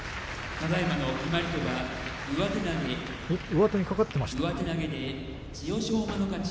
上手にかかっていましたか。